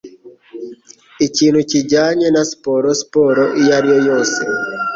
Ikintu kijyanye na siporo, siporo iyo ari yo yose,